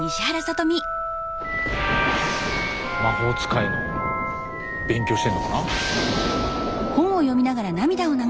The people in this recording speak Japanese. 魔法使いの勉強してるのかな？